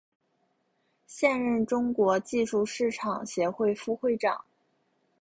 现任中国技术市场协会副会长。